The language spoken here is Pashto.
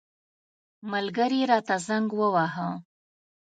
ملګري راته زنګ وواهه.